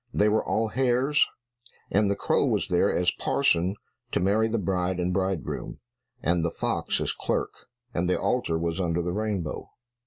They were all hares, and the crow was there as parson to marry the bride and bridegroom, and the fox as clerk, and the altar was under the rainbow.